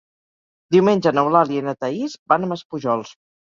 Diumenge n'Eulàlia i na Thaís van a Maspujols.